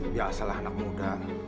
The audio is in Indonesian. biasalah anak muda